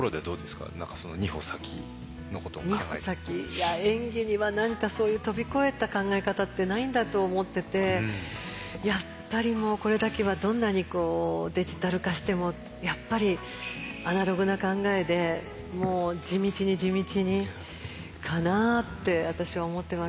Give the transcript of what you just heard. いや演技には何かそういう飛び越えた考え方ってないんだと思っててやっぱりもうこれだけはどんなにデジタル化してもやっぱりアナログな考えでもう地道に地道にかなって私は思ってます。